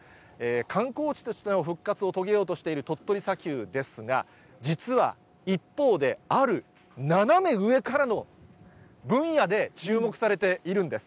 観光地としての復活を遂げようとしている鳥取砂丘ですが、実は一方で、ある斜め上からの分野で注目されているんです。